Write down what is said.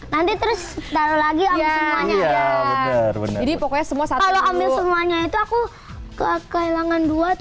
nanti terus lagi ya jadi pokoknya semua saat lo ambil semuanya itu aku kekailangan dua atau